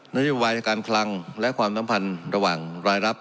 นโยบายการคลังและความสัมพันธ์ระหว่างรายรับ